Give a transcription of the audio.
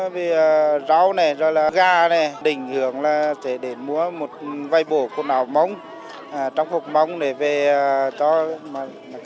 và tôi chọn chợ đấy để mua sắm đồ để phục vụ cho tết